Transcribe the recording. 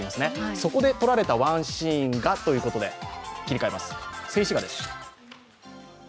そこで撮られたワンシーンがということで、静止画です。